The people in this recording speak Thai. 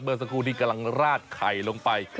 เมื่อสักครู่ที่กำลังลาดไข่ลงไป